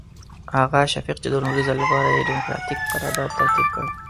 هغه شفیق چې د لومړي ځل لپاره یې ډیموکراتیک قرارداد ترتیب کړ.